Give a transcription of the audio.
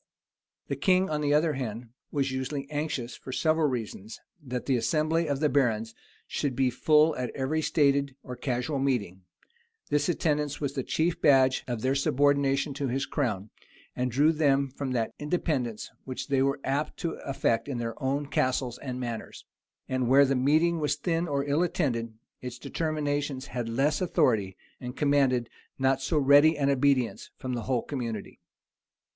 The king, on the other hand, was usually anxious, for several reasons, that the assembly of the barons should be full at every stated or casual meeting: this attendance was the chief badge of their subordination to his crown, and drew them from that independence which they were apt to affect in their own castles and manors; and where the meeting was thin or ill attended, its determinations had less authority, and commanded not so ready an obedience from the whole community.